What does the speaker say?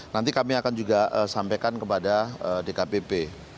nanti kami akan juga sampaikan kepada dkpp